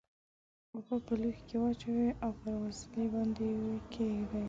اوبه په لوښي کې واچوئ او پر وسیلې باندې یې کیږدئ.